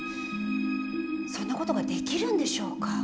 そんな事ができるんでしょうか？